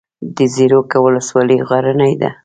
د زیروک ولسوالۍ غرنۍ ده